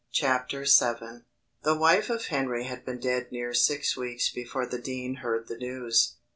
CHAPTER VII. The wife of Henry had been dead near six weeks before the dean heard the news.